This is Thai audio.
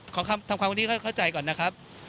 ทำความวันนี้เข้าใจก่อนนะครับ